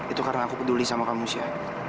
itu karena aku peduli sama kamu sih